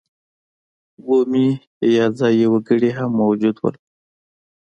بومي یا ځايي وګړي هم موجود وو.